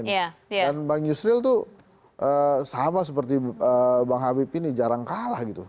dan bang yusril tuh sama seperti bang habib ini jarang kalah